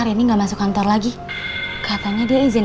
ya kamu jagain andin disini